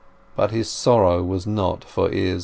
But his sorrow was not for Izz.